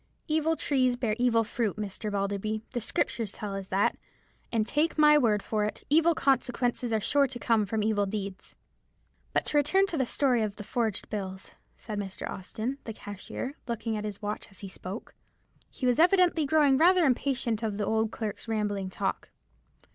Evil trees bear evil fruit, Mr. Balderby: the Scriptures tell us that; and take my word for it, evil consequences are sure to come from evil deeds." "But to return to the story of the forged bills," said Mr. Austin, the cashier, looking at his watch as he spoke. He was evidently growing rather impatient of the old clerk's rambling talk.